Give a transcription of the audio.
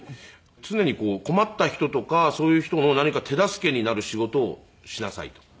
「常に困った人とかそういう人の何か手助けになる仕事をしなさい」と。